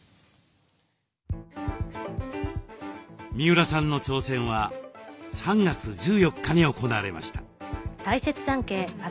三浦さんの挑戦は３月１４日に行われました。